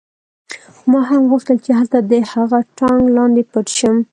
ما هم غوښتل چې هلته د هغه ټانک لاندې پټ شم